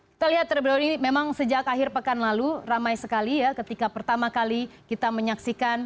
kita lihat terlebih dahulu ini memang sejak akhir pekan lalu ramai sekali ya ketika pertama kali kita menyaksikan